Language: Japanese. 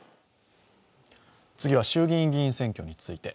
次は衆議院議員選挙について。